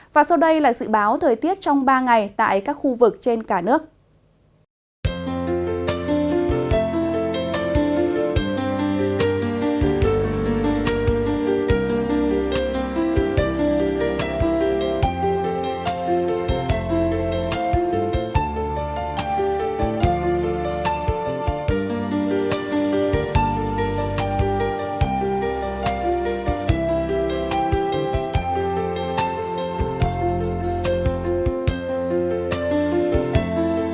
và sau đây là dự báo thời tiết trong ba ngày tại các khu vực trên cả nước